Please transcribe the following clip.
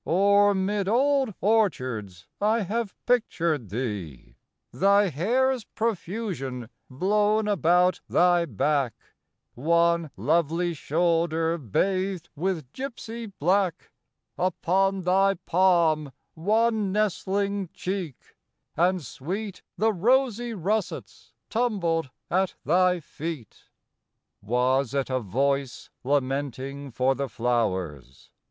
Or, 'mid old orchards I have pictured thee: Thy hair's profusion blown about thy back; One lovely shoulder bathed with gipsy black; Upon thy palm one nestling cheek, and sweet The rosy russets tumbled at thy feet. Was it a voice lamenting for the flowers?